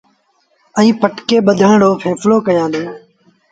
ائيٚݩ پٽڪي ٻڌآن رو ڦيسلو ڪيآݩدوݩ۔